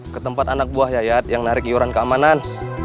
ketempat anak buah yayat yang narik iuran keamanan